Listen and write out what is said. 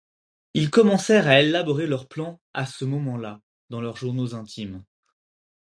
Ils commencèrent à élaborer leurs plans à ce moment-là, dans leurs journaux intimes.